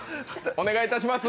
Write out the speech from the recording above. お願いいたします。